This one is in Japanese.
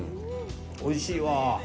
おいしいわ。